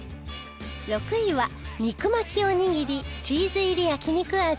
６位は肉巻きおにぎりチーズ入り焼肉味